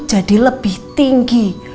jadi lebih tinggi